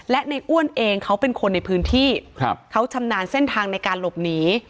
และในอ้วนเองเขาเป็นคนในพื้นที่เขาชำนาญเส้นทางในการหลบหนี